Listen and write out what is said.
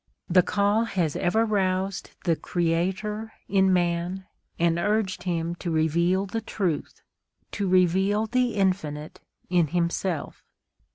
The call has ever roused the creator in man, and urged him to reveal the truth, to reveal the Infinite in himself.